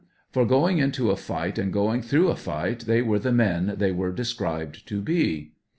For going into a fight and going through a fight, they were the men they are described to be.